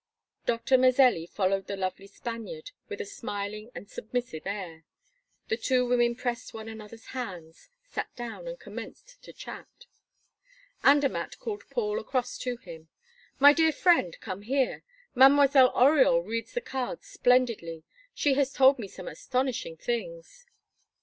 Doctor Mazelli followed the lovely Spaniard with a smiling and submissive air. The two women pressed one another's hands, sat down, and commenced to chat. Andermatt called Paul across to him: "My dear friend come here! Mademoiselle Oriol reads the cards splendidly; she has told me some astonishing things!"